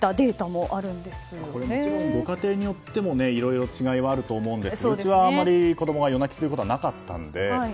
もちろん、ご家庭によってもいろいろ違いはあると思いますがうちは、あまり子供が夜泣きすることはなかったので。